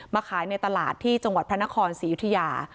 ขายในตลาดที่จังหวัดพระนครศรียุธยา